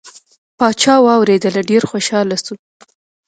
پاچا واورېدله ډیر خوشحال شو.